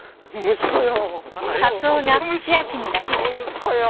息子よ！